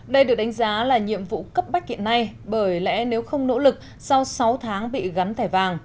đây được đánh giá là nhiệm vụ cấp bách hiện nay bởi lẽ nếu không nỗ lực sau sáu tháng bị gắn thẻ vàng